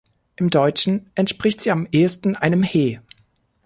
Im Deutschen entspricht sie am ehesten einem ‚He‘.